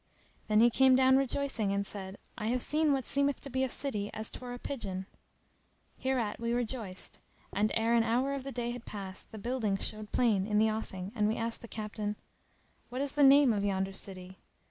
Then he came down rejoicing and said, "I have seen what seemeth to be a city as 'twere a pigeon." Hereat we rejoiced and, ere an hour of the day had passed, the buildings showed plain in the offing and we asked the Captain, "What is the name of yonder city?"